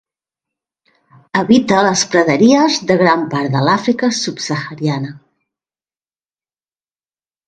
Habita les praderies de gran part de l'Àfrica subsahariana.